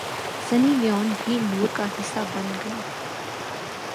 سنی Leone بھی نور کا حصہ بن گئیں